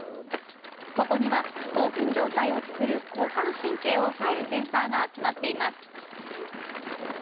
ここには、興奮状態を作る交感神経を抑えるセンサーが集まっています。